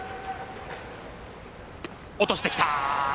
落としてきた。